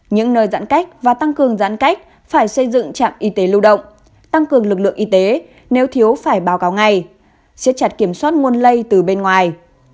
những nơi giãn cách và tăng cường giãn cách phải xây dựng trạm y tế lưu động tăng cường lực lượng y tế nếu thiếu phải báo cáo ngay siết chặt kiểm soát nguồn lây từ bên ngoài